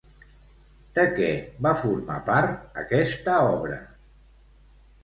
De què va formar part aquesta obra?